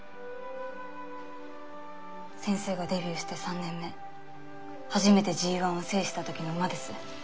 先生がデビューして３年目初めてＧⅠを制した時の馬です。